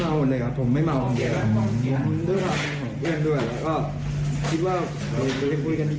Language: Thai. ผมไม่เมาอันนี้นะครับผมด้วยหลักทุกคนด้วยคิดว่าจะได้พูดกันดี